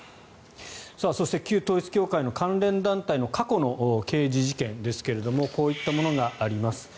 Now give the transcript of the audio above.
そして旧統一教会の関連団体の過去の刑事事件ですけれどもこういったものがあります。